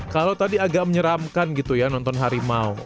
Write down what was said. kalau tadi agak menyeramkan gitu ya nonton harimau